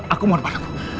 aku mohon padaku